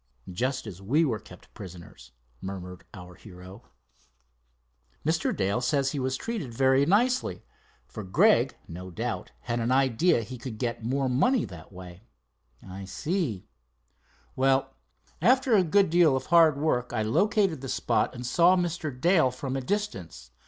"Just as we were kept prisoners," muttered our hero. "Mr. Dale says he was treated very nicely, for Gregg no doubt, had an idea he could get more money that way." "Well, after a good deal of hard work I located the spot and saw Mr. Dale from a distance.